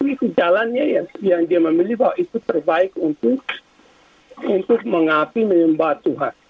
itu jalannya yang dia memilih bahwa itu terbaik untuk mengapi menyembah tuhan